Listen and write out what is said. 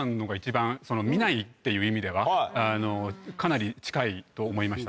見ないっていう意味ではかなり近いと思いました。